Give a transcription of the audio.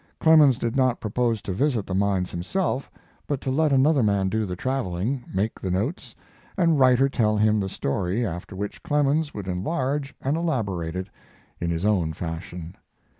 Clemens did not propose to visit the mines himself, but to let another man do the traveling, make the notes, and write or tell him the story, after which Clemens would enlarge and elaborate it in his own fashion.